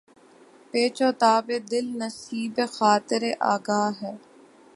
پیچ و تابِ دل نصیبِ خاطرِ آگاہ ہے